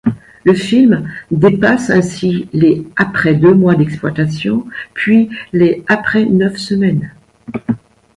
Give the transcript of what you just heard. Le film dépasse ainsi les après deux mois d'exploitation, puis les après neuf semaines.